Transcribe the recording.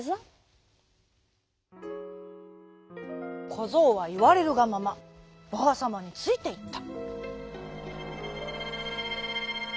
こぞうはいわれるがままばあさまについていった。